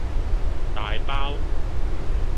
大包